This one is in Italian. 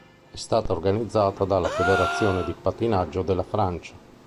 È stata organizzata dalla Federazione di pattinaggio della Francia.